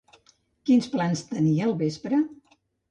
Quins plans tenia al vespre?